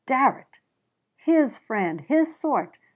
Darrett. His friend. His sort.